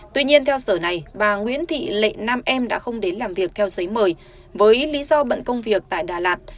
tuy nhiên theo sở này bà nguyễn thị lệ nam em đã không đến làm việc theo giấy mời với lý do bận công việc tại đà lạt